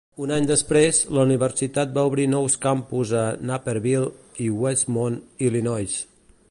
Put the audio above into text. Un any després, la universitat va obrir nous campus a Naperville i Westmont, Illinois.